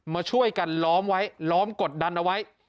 มาช่วยกันล้อมไว้ล้อมกดดันเอาไว้